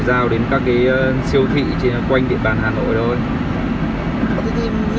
để giao đến các siêu thị trên quanh địa bàn hà nội thôi